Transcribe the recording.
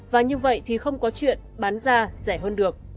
và như vậy thì không có chuyện bán ra rẻ hơn được